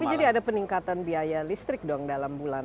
tapi jadi ada peningkatan biaya listrik dong dalam bulan